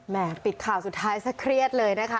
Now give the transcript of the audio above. ปิดข่าวสุดท้ายซะเครียดเลยนะคะ